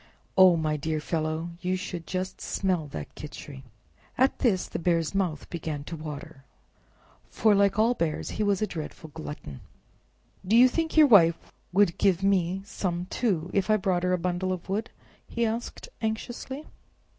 Oh, my dear fellow, you should just smell that Khichri." At this the Bear's mouth began to water, for, like all bears, he was a dreadful glutton. "Do you think your Wife would give mite some, too, if I brought her a bundle of wood?" he asked anxiously.